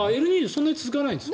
そんなに続かないんですか？